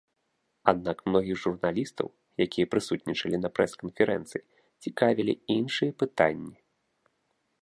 Аднак многіх журналістаў, якія прысутнічалі на прэс-канферэнцыі, цікавілі іншыя пытанні.